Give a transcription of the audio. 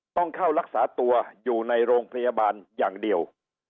ต้องเข้ารักษาตัวอยู่ในโรงพยาบาลอย่างเดียว